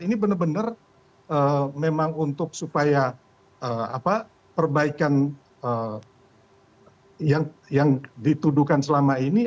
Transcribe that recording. ini benar benar memang untuk supaya perbaikan yang dituduhkan selama ini